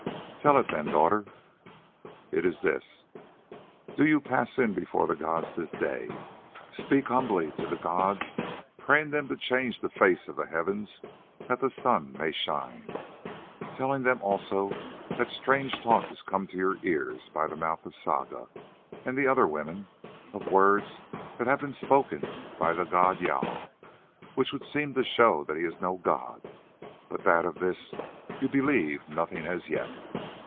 "Tell it then, daughter." "It is this. Do you pass in before the gods this day, speak humbly to the gods, praying them to change the face of the heavens that the sun may shine; telling them also that strange talk has come to your ears by the mouth of Saga and the other women, of words that have been spoken by the god Jâl, which would seem to show that he is no god, but that of this you believe nothing as yet.